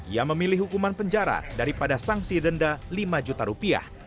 ia memilih hukuman penjara daripada sanksi denda lima juta rupiah